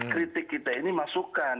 kritik kita ini masukan